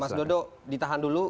mas dodo ditahan dulu